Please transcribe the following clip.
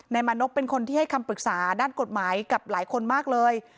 มานพเป็นคนที่ให้คำปรึกษาด้านกฎหมายกับหลายคนมากเลย